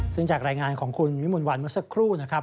ซึ่งจากรายงานของคุณวิมวลวันเมื่อสักครู่นะครับ